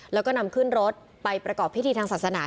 แล้วก็นำขึ้นรถไปประกอบพิธีทางศาสนา